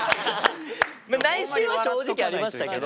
内心は正直ありましたけど。